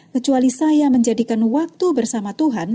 kecuali saya menjadikan waktu bersama tuhan